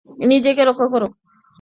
নিজেকে রক্ষা করো!